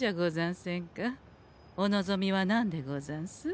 お望みは何でござんす？